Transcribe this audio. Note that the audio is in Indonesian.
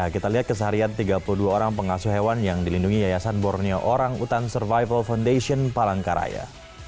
kita lihat keseharian tiga puluh dua orang pengasuh hewan yang dilindungi yayasan borneo orang utan survival foundation palangkaraya